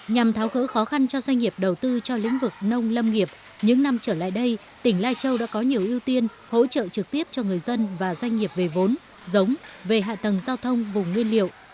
nhằm tháo gỡ khó khăn cho doanh nghiệp đầu tư cho lĩnh vực nông lâm nghiệp những năm trở lại đây tỉnh lai châu đã có nhiều ưu tiên hỗ trợ trực tiếp cho người dân và doanh nghiệp về vốn giống về hạ tầng giao thông vùng nguyên liệu